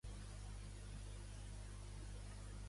Zapotlán de Juárez és un municipi de l'estat de Jalisco.